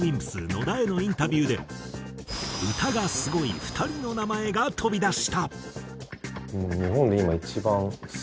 野田へのインタビューで歌がすごい２人の名前が飛び出した。